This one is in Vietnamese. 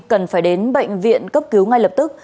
cần phải đến bệnh viện cấp cứu ngay lập tức